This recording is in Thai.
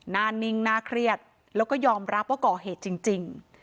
นิ่งน่าเครียดแล้วก็ยอมรับว่าก่อเหตุจริง